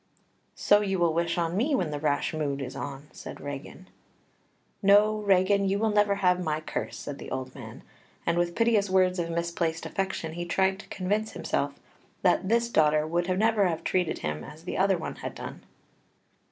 "So you will wish on me when the rash mood is on," said Regan. "No, Regan, you will never have my curse," said the old man, and with piteous words of misplaced affection he tried to convince himself that this daughter would never have treated him as the other one had done.